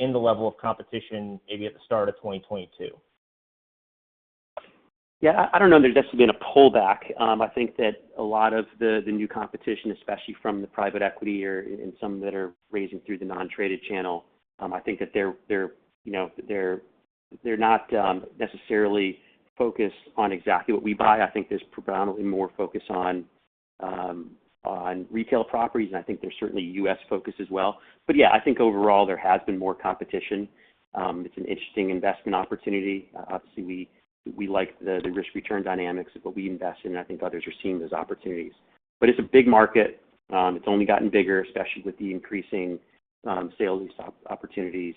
Speaker 9: in the level of competition maybe at the start of 2022?
Speaker 3: Yeah, I don't know there's necessarily been a pullback. I think that a lot of the new competition, especially from the private equity and some that are raising through the non-traded channel, I think that they're, you know, not necessarily focused on exactly what we buy. I think there's predominantly more focus on retail properties, and I think there's certainly U.S. focus as well. Yeah, I think overall there has been more competition. It's an interesting investment opportunity. Obviously, we like the risk-return dynamics of what we invest in. I think others are seeing those opportunities. It's a big market. It's only gotten bigger, especially with the increasing sale-leaseback opportunities.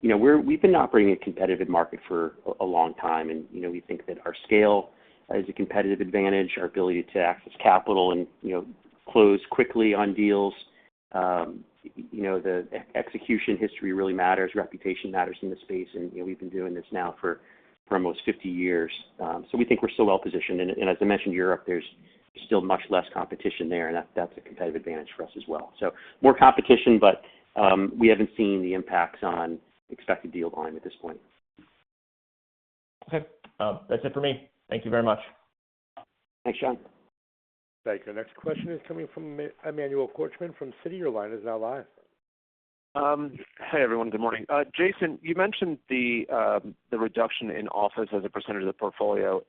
Speaker 3: You know, we've been operating in a competitive market for a long time and, you know, we think that our scale is a competitive advantage, our ability to access capital and, you know, close quickly on deals, you know, the execution history really matters, reputation matters in this space, and, you know, we've been doing this now for almost 50 years. So we think we're still well positioned. As I mentioned, Europe, there's still much less competition there, and that's a competitive advantage for us as well. More competition, but we haven't seen the impacts on expected deal volume at this point. Okay.
Speaker 9: That's it for me. Thank you very much.
Speaker 3: Thanks, John.
Speaker 1: Thank you. Next question is coming from Emmanuel Korchman from Citi. Your line is now live.
Speaker 10: Hey, everyone. Good morning. Jason, you mentioned the reduction in office as a percentage of the portfolio.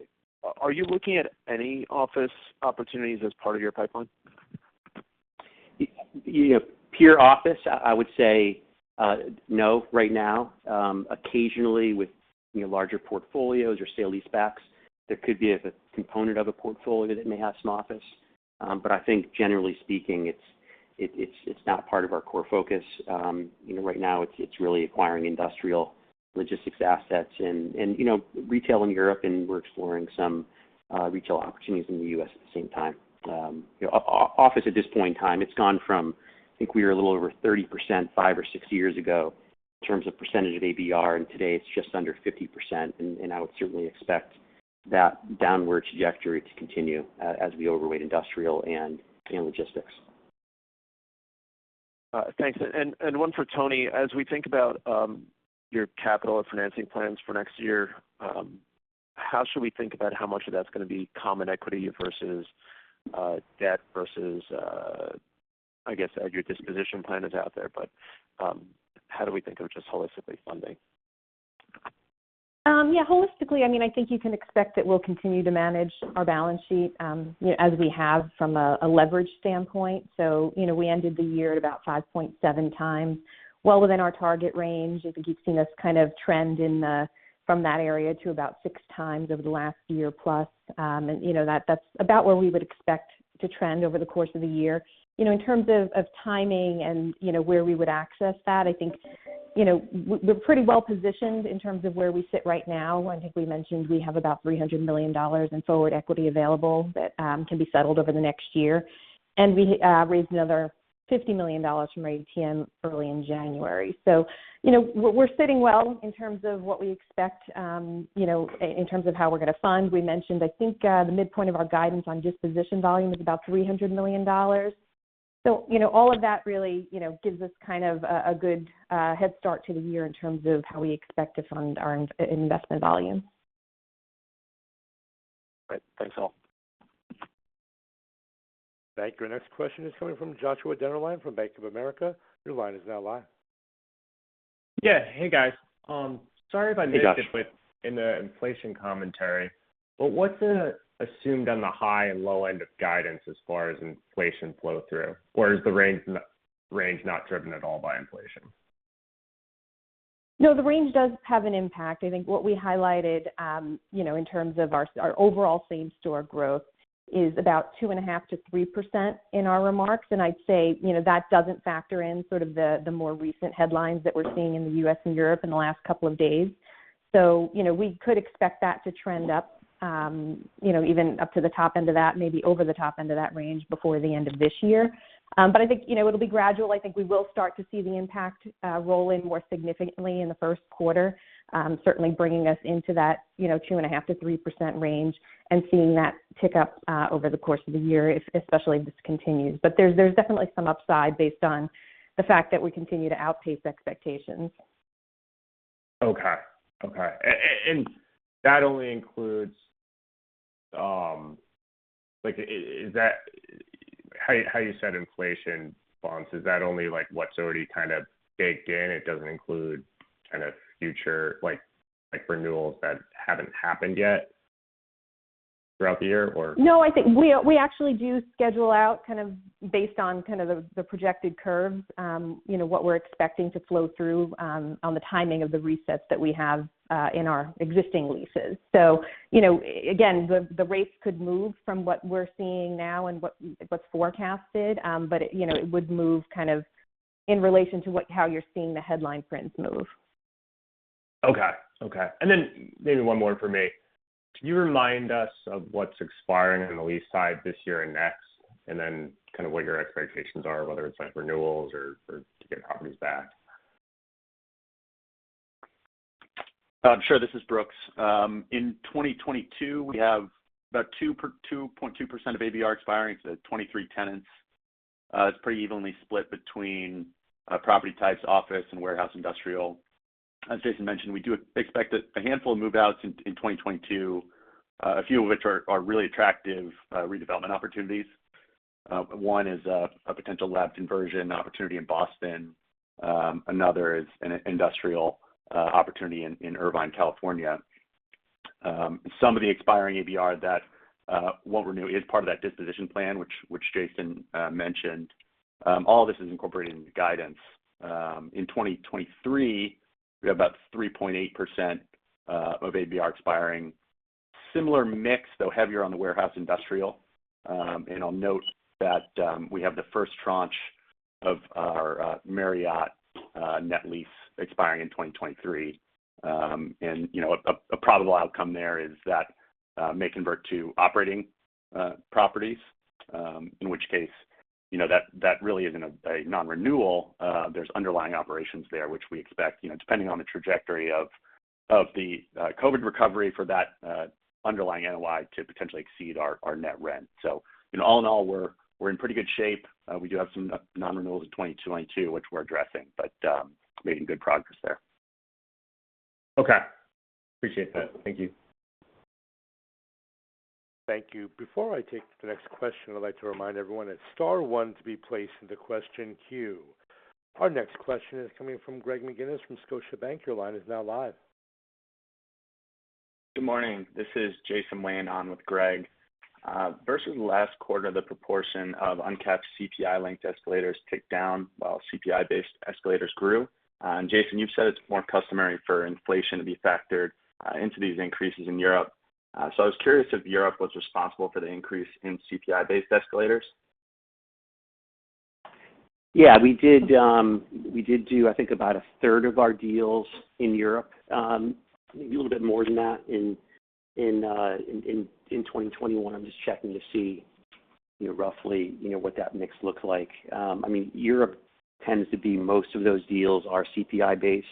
Speaker 10: Are you looking at any office opportunities as part of your pipeline?
Speaker 3: You know, pure office, I would say no right now. Occasionally with you know, larger portfolios or sale-leasebacks, there could be a component of a portfolio that may have some office. I think generally speaking, it's not part of our core focus. You know, right now it's really acquiring industrial logistics assets and you know, retail in Europe, and we're exploring some retail opportunities in the U.S. at the same time. You know, office at this point in time, it's gone from, I think we were a little over 30%, five or six years ago in terms of percentage of ABR, and today it's just under 50%. I would certainly expect that downward trajectory to continue as we overweight industrial and logistics.
Speaker 10: Thanks. One for Toni. As we think about your capital and financing plans for next year, how should we think about how much of that's gonna be common equity versus debt versus, I guess as your disposition plan is out there, but how do we think of just holistically funding?
Speaker 4: Yeah. Holistically, I mean, I think you can expect that we'll continue to manage our balance sheet, you know, as we have from a leverage standpoint. You know, we ended the year at about 5.7x, well within our target range. I think you've seen us kind of trend from that area to about 6x over the last year plus. You know that's about where we would expect to trend over the course of the year. You know, in terms of timing and, you know, where we would access that, I think, you know, we're pretty well positioned in terms of where we sit right now. I think we mentioned we have about $300 million in forward equity available that can be settled over the next year. We raised another $50 million from ATM early in January. You know, we're sitting well in terms of what we expect, you know, in terms of how we're gonna fund. We mentioned, I think, the midpoint of our guidance on disposition volume is about $300 million. You know, all of that really, you know, gives us kind of a good head start to the year in terms of how we expect to fund our investment volume.
Speaker 10: Great. Thanks all.
Speaker 1: Thank you. Our next question is coming from Joshua Dennerlein from Bank of America. Your line is now live.
Speaker 11: Yeah. Hey, guys. Sorry if I missed it.
Speaker 3: Hey, Josh
Speaker 11: in the inflation commentary. What's assumed on the high and low end of guidance as far as inflation flow through? Or is the range in-range not driven at all by inflation?
Speaker 4: No, the range does have an impact. I think what we highlighted, you know, in terms of our overall same-store growth is about 2.5%-3% in our remarks. I'd say, you know, that doesn't factor in sort of the more recent headlines that we're seeing in the U.S. and Europe in the last couple of days. You know, we could expect that to trend up, you know, even up to the top end of that, maybe over the top end of that range before the end of this year. I think, you know, it'll be gradual. I think we will start to see the impact roll in more significantly in the first quarter. Certainly bringing us into that, you know, 2.5%-3% range and seeing that tick up over the course of the year if especially if this continues. But there's definitely some upside based on the fact that we continue to outpace expectations.
Speaker 11: Okay. That only includes, as you said, inflation bonds. Is that only like what's already kind of baked in? It doesn't include kind of future like renewals that haven't happened yet throughout the year or?
Speaker 4: No, I think we actually do schedule out kind of based on kind of the projected curves, you know, what we're expecting to flow through on the timing of the resets that we have in our existing leases. You know, again, the rates could move from what we're seeing now and what's forecasted, but you know, it would move kind of in relation to how you're seeing the headline prints move.
Speaker 11: Okay. Maybe one more from me. Can you remind us of what's expiring on the lease side this year and next, and then kind of what your expectations are, whether it's like renewals or to get properties back?
Speaker 12: Sure. This is Brooks. In 2022, we have about 2.2% of ABR expiring to 23 tenants. It's pretty evenly split between property types, office and warehouse industrial. As Jason mentioned, we do expect a handful of move-outs in 2022, a few of which are really attractive redevelopment opportunities. One is a potential lab conversion opportunity in Boston. Another is an industrial opportunity in Irvine, California. Some of the expiring ABR that won't renew is part of that disposition plan, which Jason mentioned. All this is incorporated into guidance. In 2023, we have about 3.8% of ABR expiring. Similar mix, though heavier on the warehouse industrial. I'll note that we have the first tranche of our Marriott net lease expiring in 2023. You know, a probable outcome there is that it may convert to operating properties, in which case, you know, that really isn't a non-renewal. There's underlying operations there which we expect, you know, depending on the trajectory of the COVID recovery for that underlying NOI to potentially exceed our net rent. You know, all in all, we're in pretty good shape. We do have some non-renewals in 2022, which we're addressing, but making good progress there.
Speaker 11: Okay. Appreciate that. Thank you.
Speaker 1: Thank you. Before I take the next question, I'd like to remind everyone it's star one to be placed into question queue. Our next question is coming from Greg McGinniss from Scotiabank. Your line is now live.
Speaker 13: Good morning. This is Jason Wayne on with Greg. Versus last quarter, the proportion of uncapped CPI-linked escalators ticked down while CPI-based escalators grew. Jason, you've said it's more customary for inflation to be factored into these increases in Europe. I was curious if Europe was responsible for the increase in CPI-based escalators.
Speaker 3: Yeah, we did do, I think about a third of our deals in Europe. Maybe a little bit more than that in 2021. I'm just checking to see, you know, roughly, you know, what that mix looks like. I mean, Europe tends to be most of those deals are CPI based.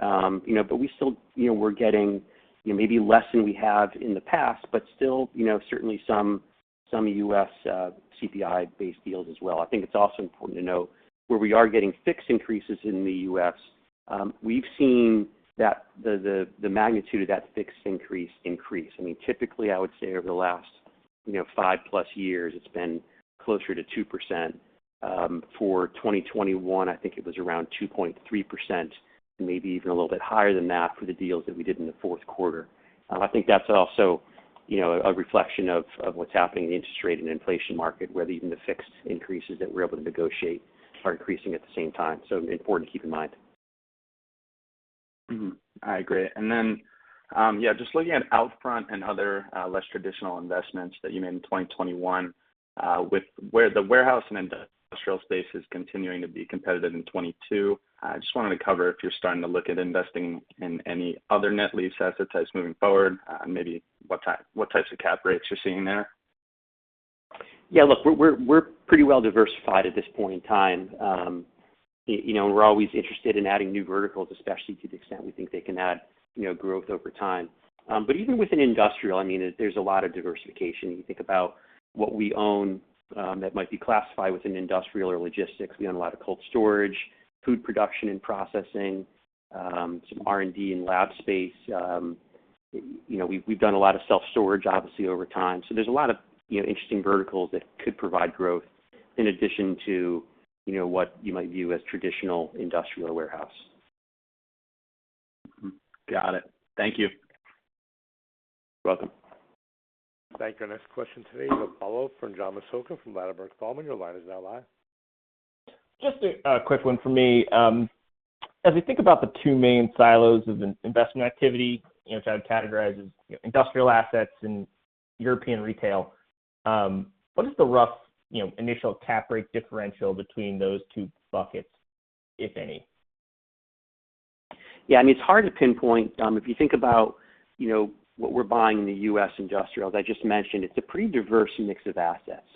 Speaker 3: You know, but we still, you know, we're getting, you know, maybe less than we have in the past, but still, you know, certainly some U.S. CPI based deals as well. I think it's also important to note where we are getting fixed increases in the U.S., we've seen that the magnitude of that fixed increase. I mean, typically I would say over the last, you know, 5+ years, it's been closer to 2%. For 2021, I think it was around 2.3%, maybe even a little bit higher than that for the deals that we did in the fourth quarter. I think that's also, you know, a reflection of what's happening in the interest rate and inflation market, where even the fixed increases that we're able to negotiate are increasing at the same time. Important to keep in mind.
Speaker 13: I agree. Just looking at Outfront Media and other less traditional investments that you made in 2021, with where the warehouse and industrial space is continuing to be competitive in 2022. I just wanted to cover if you're starting to look at investing in any other net lease asset types moving forward, maybe what types of cap rates you're seeing there.
Speaker 3: Yeah, look, we're pretty well diversified at this point in time. You know, we're always interested in adding new verticals, especially to the extent we think they can add, you know, growth over time. But even within industrial, I mean, there's a lot of diversification. You think about what we own, that might be classified within industrial or logistics. We own a lot of cold storage, food production and processing, some R&D and lab space. You know, we've done a lot of self-storage obviously over time. There's a lot of, you know, interesting verticals that could provide growth in addition to, you know, what you might view as traditional industrial warehouse.
Speaker 13: Mm-hmm. Got it. Thank you.
Speaker 3: You're welcome.
Speaker 1: Thank you. Our next question today is a follow-up from John Massocca from Ladenburg Thalmann. Your line is now live.
Speaker 9: Just a quick one for me. As we think about the two main silos of investment activity, you know, which I would categorize as, you know, industrial assets and European retail, what is the rough, you know, initial cap rate differential between those two buckets, if any?
Speaker 3: Yeah, I mean, it's hard to pinpoint. If you think about, you know, what we're buying in the U.S. industrials, I just mentioned it's a pretty diverse mix of assets.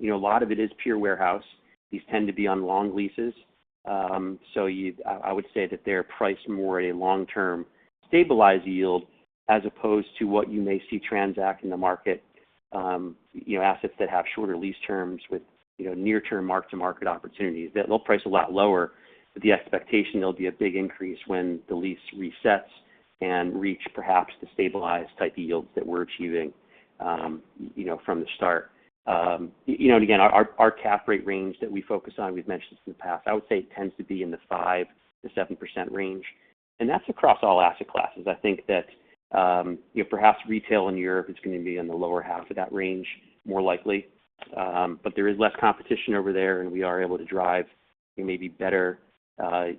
Speaker 3: You know, a lot of it is pure warehouse. These tend to be on long leases. I would say that they're priced more at a long-term stabilized yield as opposed to what you may see transact in the market, you know, assets that have shorter lease terms with, you know, near term mark-to-market opportunities. They're priced a lot lower, but the expectation there'll be a big increase when the lease resets and reach perhaps the stabilized type deals that we're achieving, you know, from the start. You know, again, our cap rate range that we focus on, we've mentioned this in the past, I would say tends to be in the 5%-7% range, and that's across all asset classes. I think that you know, perhaps retail in Europe is gonna be in the lower half of that range, more likely. There is less competition over there, and we are able to drive maybe better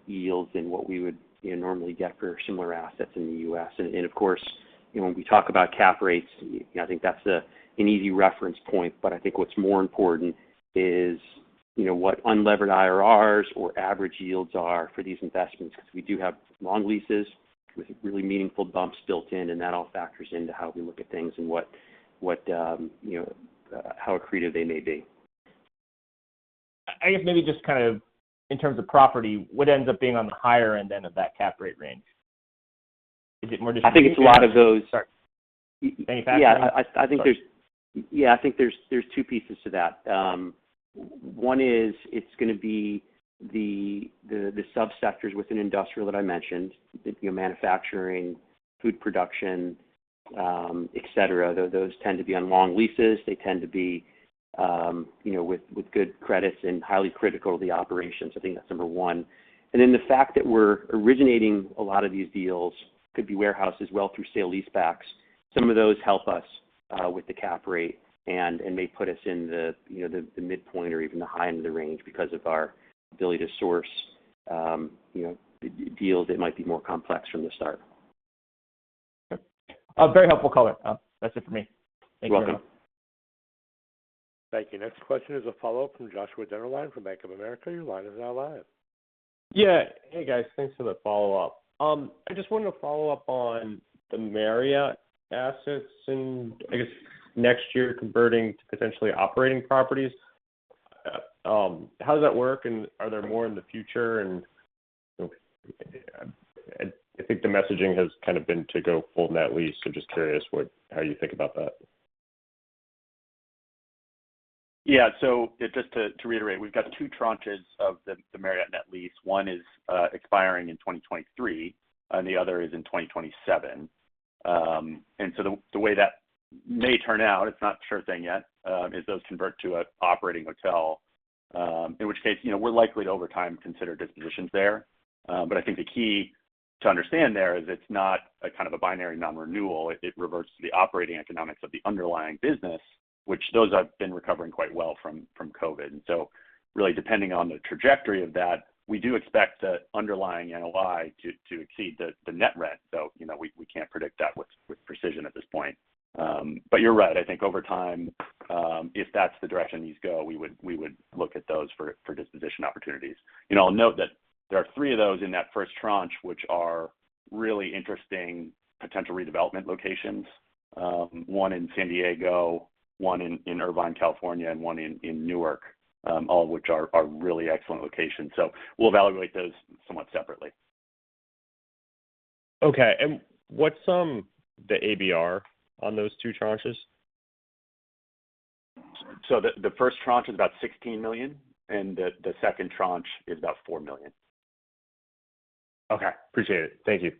Speaker 3: yields than what we would you know, normally get for similar assets in the U.S. Of course, you know, when we talk about cap rates, you know, I think that's an easy reference point. I think what's more important is you know, what unlevered IRRs or average yields are for these investments. 'Cause we do have long leases with really meaningful bumps built in, and that all factors into how we look at things and what you know how accretive they may be.
Speaker 9: I guess maybe just kind of in terms of property, what ends up being on the higher end than of that cap rate range? Is it more just-
Speaker 3: I think it's a lot of those.
Speaker 9: Sorry. Manufacturing?
Speaker 3: Yeah. I think there's two pieces to that. One is it's gonna be the subsectors within industrial that I mentioned, you know, manufacturing, food production, et cetera. Though those tend to be on long leases. They tend to be with good credits and highly critical to the operations. I think that's number one. Then the fact that we're originating a lot of these deals could be warehoused as well through sale leasebacks. Some of those help us with the cap rate and may put us in the midpoint or even the high end of the range because of our ability to source deals that might be more complex from the start.
Speaker 9: Okay. Very helpful color. That's it for me. Thank you.
Speaker 3: You're welcome.
Speaker 1: Thank you. Next question is a follow-up from Joshua Dennerlein from Bank of America. Your line is now live.
Speaker 11: Yeah. Hey, guys. Thanks for the follow-up. I just wanted to follow up on the Marriott assets and I guess next year converting to potentially operating properties. How does that work, and are there more in the future? I think the messaging has kind of been to go full net lease, so just curious how you think about that.
Speaker 12: Yeah. Just to reiterate, we've got two tranches of the Marriott net lease. One is expiring in 2023, and the other is in 2027. The way that may turn out, it's not a sure thing yet, is those convert to an operating hotel, in which case, you know, we're likely to over time consider dispositions there. But I think the key to understand there is it's not a kind of a binary non-renewal. It reverts to the operating economics of the underlying business, which those have been recovering quite well from COVID. Really depending on the trajectory of that, we do expect the underlying NOI to exceed the net rent. You know, we can't predict that with precision at this point. But you're right. I think over time, if that's the direction these go, we would look at those for disposition opportunities. You know, I'll note that there are three of those in that first tranche, which are really interesting potential redevelopment locations. One in San Diego, one in Irvine, California, and one in Newark, all of which are really excellent locations. We'll evaluate those somewhat separately.
Speaker 13: Okay. What's the ABR on those two tranches?
Speaker 12: The first tranche is about $16 million, and the second tranche is about $4 million.
Speaker 13: Okay. Appreciate it. Thank you.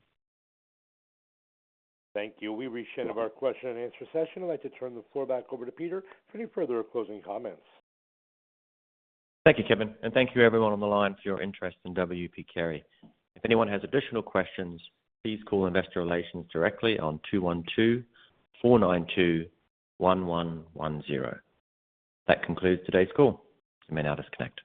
Speaker 1: Thank you. We've reached the end of our question and answer session. I'd like to turn the floor back over to Peter for any further closing comments.
Speaker 2: Thank you, Kevin, and thank you everyone on the line for your interest in W. P. Carey. If anyone has additional questions, please call investor relations directly on 212-492-1110. That concludes today's call. You may now disconnect.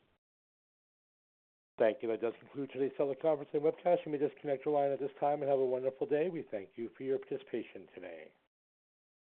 Speaker 1: Thank you. That does conclude today's teleconference and webcast. You may disconnect your line at this time, and have a wonderful day. We thank you for your participation today.